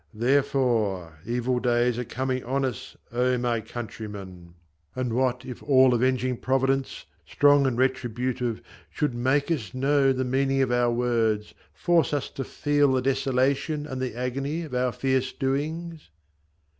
Therefore, evil days Are coming on us, O my countrymen ! And what if all avenging Providence, Strong and retributive, should make us know The meaning of our words, force us to feel The desolation and the agony Of our fierce doings